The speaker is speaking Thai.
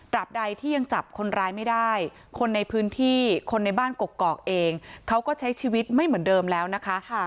บใดที่ยังจับคนร้ายไม่ได้คนในพื้นที่คนในบ้านกกอกเองเขาก็ใช้ชีวิตไม่เหมือนเดิมแล้วนะคะ